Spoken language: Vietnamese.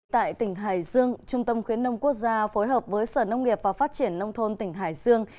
tại tỉnh hải dương trung tâm khuyến nông quốc gia phối hợp với sở nông nghiệp và phát triển nông thôn tỉnh hải dương